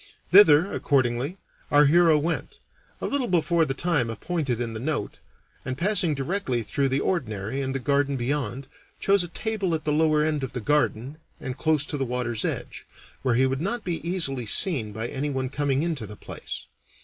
Thither, accordingly, our hero went, a little before the time appointed in the note, and passing directly through the Ordinary and the garden beyond, chose a table at the lower end of the garden and close to the water's edge, where he would not be easily seen by anyone coming into the place.